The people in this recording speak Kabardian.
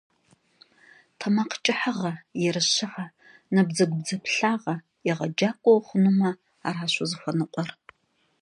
ТэмакъкӀыхьыгъэ, ерыщыгъэ, набдзэгубдзаплъагъэ – егъэджакӏуэ ухъунумэ, аращ узыхуэныкъуэр.